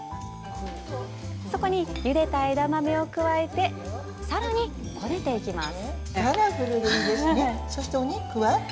そこに、ゆでた枝豆を加えてさらにこねていきます。